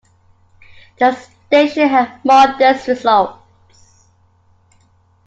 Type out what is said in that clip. The station had modest results.